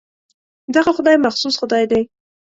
دغه خدای مخصوص خدای دی.